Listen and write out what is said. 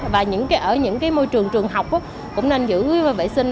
và ở những môi trường trường học cũng nên giữ vệ sinh